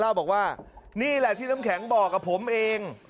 เล่าบอกว่านี่แหละที่น้ำแข็งบอกกับผมเอง